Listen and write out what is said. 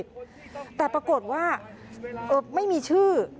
แต่ปรากฏว่าไม่มีชื่อ